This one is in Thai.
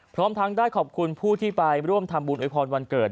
พร้อมทั้งได้ขอบคุณผู้ที่ไปร่วมทำบุญโวยพรวันเกิด